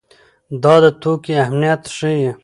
دا د توکي اهميت ښيي.